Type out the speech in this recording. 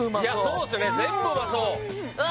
そうですね全部うまそううわ